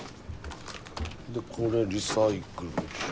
でこれリサイクルでしょ。